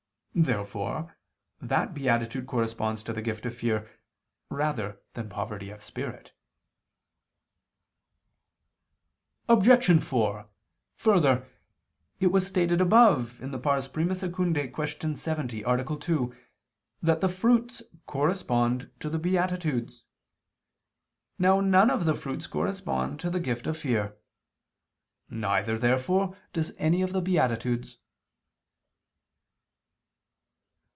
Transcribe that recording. Therefore that beatitude corresponds to the gift of fear, rather than poverty of spirit. Obj. 4: Further, it was stated above (I II, Q. 70, A. 2) that the fruits correspond to the beatitudes. Now none of the fruits correspond to the gift of fear. Neither, therefore, does any of the beatitudes.